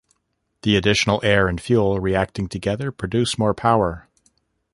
The additional air and fuel reacting together produce more power.